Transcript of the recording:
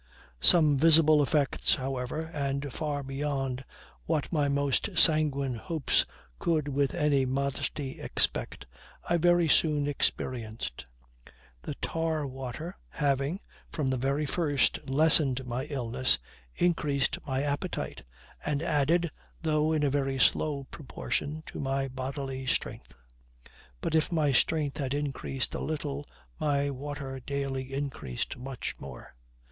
Some visible effects, however, and far beyond what my most sanguine hopes could with any modesty expect, I very soon experienced; the tar water having, from the very first, lessened my illness, increased my appetite, and added, though in a very slow proportion, to my bodily strength. But if my strength had increased a little my water daily increased much more.